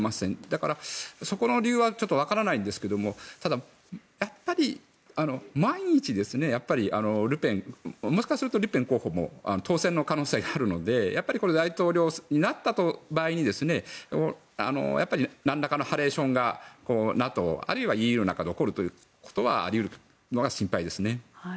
だから、そこの理由は分からないんですがただやっぱりもしかするとルペン候補も当選の可能性があるので大統領になった場合に何らかのハレーションがＮＡＴＯ、あるいはＥＵの中で起こるということはあり得るのが心配です。